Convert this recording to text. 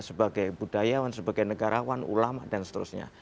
sebagai budayawan sebagai negarawan ulama dan seterusnya